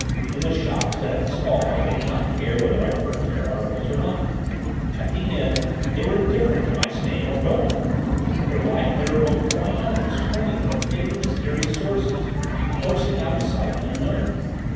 In the shops and at the stalls they did not care whether I purchased their articles or not; at the inn, they were indifferent to my staying or going; their life lay remote from my own, springing from hidden, mysterious sources, coursing out of sight, unknown.